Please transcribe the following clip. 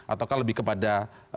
ataukah lebih kepada